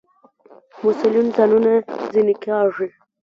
مسئولین ځانونه ځنې کاږي.